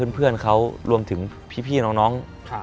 เพื่อนเขารวมถึงพี่น้อง